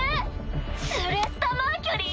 スレッタ・マーキュリー？